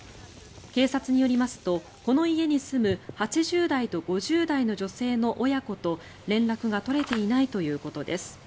警察によりますとこの家に住む８０代と５０代の女性の親子と連絡が取れていないということです。